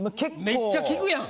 めっちゃ聞くやん。